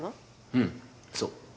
うんそう。